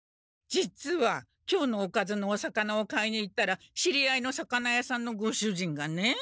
実は今日のおかずのお魚を買いに行ったら知り合いの魚屋さんのご主人がね。